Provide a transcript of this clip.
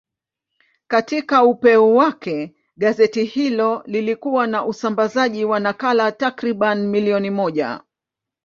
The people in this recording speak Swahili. Katika upeo wake, gazeti hilo lilikuwa na usambazaji wa nakala takriban milioni moja.